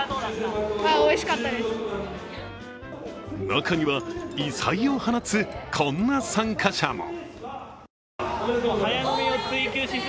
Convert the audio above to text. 中には、異彩を放つこんな参加者も。